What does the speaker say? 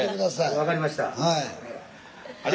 分かりました。